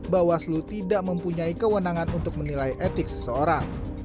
bawaslu tidak mempunyai kewenangan untuk menilai etik seseorang